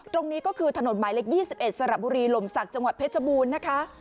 ตรงนี้ก็คือถนนหมายเลข๒๑สระบุรีลมศักดิ์จังหวัดเพชรบูรณ์นะคะ